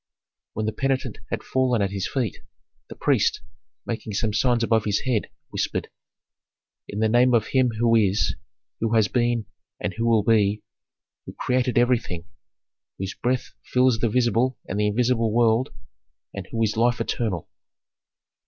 When the penitent had fallen at his feet, the priest, making some signs above his head, whispered, "In the name of Him who is, who has been, and who will be, who created everything, whose breath fills the visible and the invisible world, and who is life eternal."